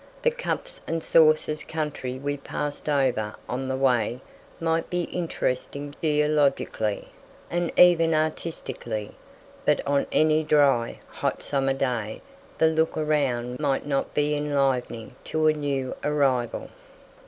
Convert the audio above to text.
The "cups and saucers" country we passed over on the way might be interesting geologically, and even artistically; but on any dry, hot summer day the look around might not be enlivening to a new arrival.